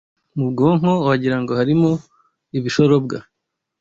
mu bwonko wagirango harimo ibishorobwa